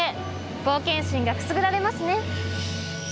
冒険心がくすぐられますね。